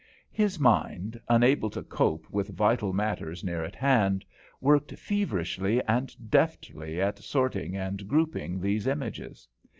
His mind, unable to cope with vital matters near at hand, worked feverishly and deftly at sorting and grouping these images.